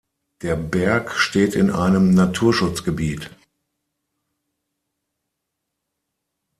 Der Berg steht in einem Naturschutzgebiet.